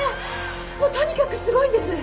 もうとにかくすごいんです！